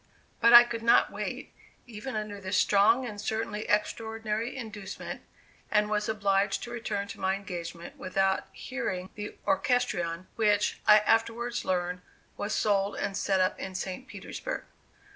But I could not wait, even under this strong and certainly extraordinary inducement, and was obliged to return to my engagements without hearing the orchestrion, which, I afterwards learned, was sold and set up in St. Petersburg.